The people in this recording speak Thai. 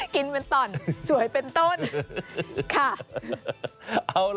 กินเป็นต่อนสวยเป็นต้นค่ะ